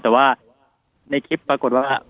แต่ว่าในคลิปปรากฏว่า